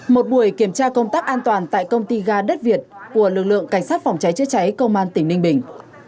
một buổi kiểm tra công tác an toàn tại công ty ga đất việt của lực lượng cảnh sát phòng cháy chữa cháy công an tỉnh ninh bình